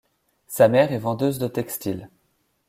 Sa mère est vendeuse de textiles.